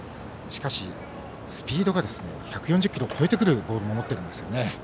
しかしスピードが１４０キロを超えてくるボールも持っているんですよね。